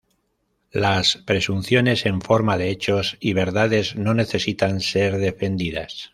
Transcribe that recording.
Las presunciones en forma de hechos y verdades no necesitan ser defendidas.